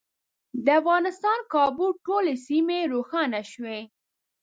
د افغانستان کابو ټولې سیمې روښانه شوې.